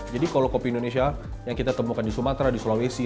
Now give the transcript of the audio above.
jadi kalau kopi indonesia yang kita temukan di sumatera di sulawesi